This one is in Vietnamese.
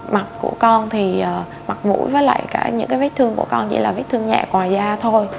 mặt của con thì mặt mũi với lại cả những cái vết thương của con như là vết thương nhẹ quà da thôi